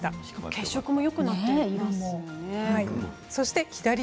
血色もよくなっていますね。